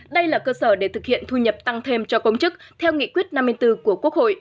đây là cơ sở để thực hiện thu nhập tăng thêm cho công chức theo nghị quyết năm mươi bốn của quốc hội